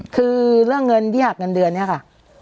คือเรื่องเงินที่หักเงินเดือนเนี่ยค่ะ